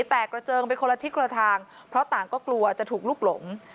แตกกระเจิงไปคนละทิศละทางเพราะต่างก็กลัวจะถูกลุกหลง